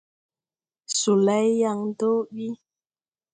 Solay yàŋ dɔɔ ɓi.